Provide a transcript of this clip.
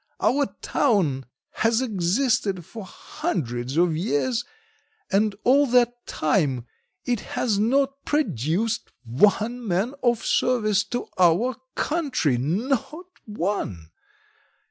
Our town has existed for hundreds of years, and all that time it has not produced one man of service to our country not one.